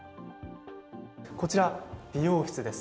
こちら、美容室です。